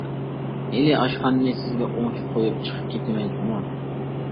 ھېلى ئاشخانىنى سىزگە ئوڭچە قويۇپ چىقىپ كىتىمەن جۇمۇ!